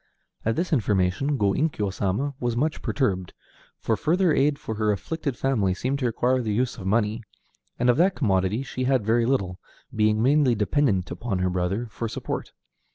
At this information Go Inkyo Sama was much perturbed, for further aid for her afflicted family seemed to require the use of money, and of that commodity she had very little, being mainly dependent upon her brother for support.